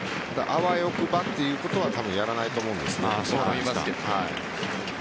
あわよくばということは多分やらないと思うんです。